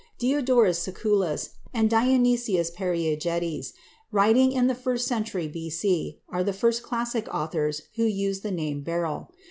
Diodorus Siculus and Dionysius Periegetes, writing in the first century B.C., are the first classical authors who use the name beryl.